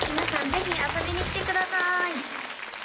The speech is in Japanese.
ぜひ遊びに来てください！